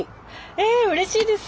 えうれしいです。